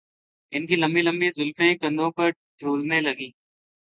ان کی لمبی لمبی زلفیں کندھوں پر جھولنے لگیں